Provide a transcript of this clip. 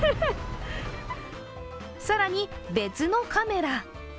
更に別のカメラ。